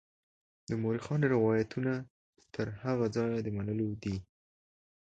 د مورخانو روایتونه تر هغه ځایه د منلو دي.